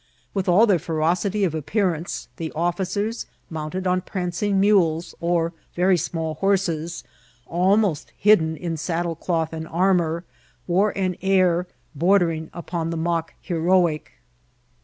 With all their ferocity of appearance, the officers, mounted on prancing mules or very small horses, almost hidden in saddle cloth and armour, wore an air bordering upon the mock heroic.